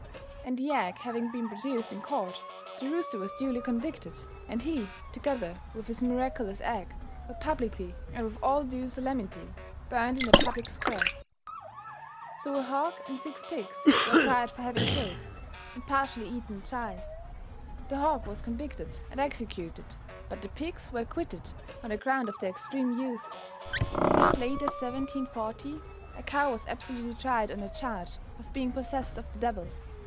And the egg having been produced in court, the rooster was duly convicted and he together with his miraculous egg were publicly and with all due solemnity burned in the public square. So a hog and six pigs were tried for having killed, and partially eaten a child, the hog was convicted and executed, but the pigs were acquitted on the ground of their extreme youth. Asiate as 1740 a cow was absolutely tried on a charge of being possessed of the devil.